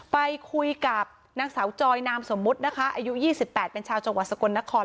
ไปคุยกับนางสาวจอยนามสมมุตินะคะอายุ๒๘เป็นชาวจังหวัดสกลนคร